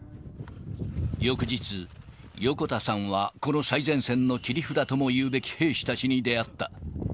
翌日、横田さんはこの最前線の切り札ともいうべき兵士たちに出会った。